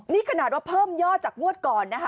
นี่ขนาดว่าเพิ่มยอดจากงวดก่อนนะคะ